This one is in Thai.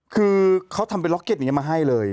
เขาทำเป็นโรดเก็ตมาให้เลย